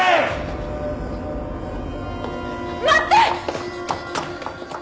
待って！